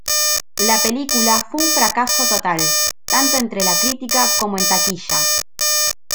La película fue un fracaso total tanto entre la crítica como en taquilla.